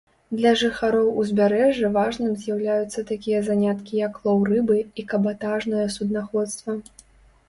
Для жыхароў узбярэжжа важным з'яўляюцца такія заняткі як лоў рыбы і кабатажнае суднаходства.